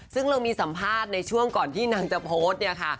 ซึ่งเรามีสัมภาษณ์ในช่วงก่อนที่นางจะโพสต์เนี่ยค่ะ